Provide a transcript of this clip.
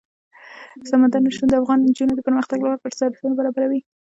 سمندر نه شتون د افغان نجونو د پرمختګ لپاره فرصتونه برابروي.